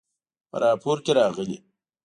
په راپور کې راغلي